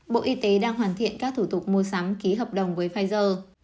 bộ y tế đang hoàn thiện các thủ tục mua sắm ký hợp đồng với pfizer